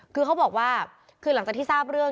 คือเขาบอกว่าคือหลังจากที่ทราบเรื่อง